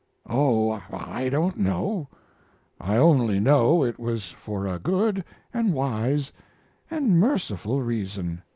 "Oh, I don't know! I only know it was for a good and wise and merciful reason."